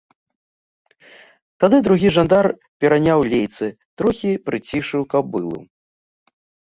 Тады другі жандар пераняў лейцы, трохі прыцішыў кабылу.